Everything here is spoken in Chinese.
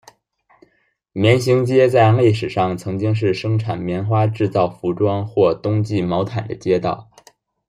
棉行街在历史上曾经是生产棉花制造服装或冬季毛毯的街道。